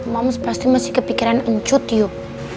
moms pasti masih kepikiran cuti yuk